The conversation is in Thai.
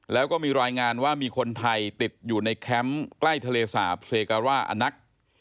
แล้วก็มีรายงานว่ามีคนไทยติดอยู่ในแคมป์ใกล้ทะเลสาปเซการ่าอนัก